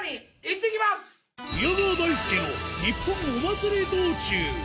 宮川大輔のニッポンお祭り道中。